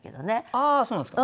ああそうなんですか。